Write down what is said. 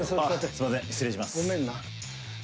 すいません失礼します。